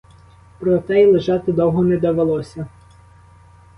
Проте й лежати довго не довелося.